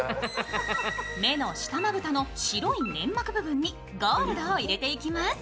目の下まぶたの白い粘膜部分にゴールドを入れていきます。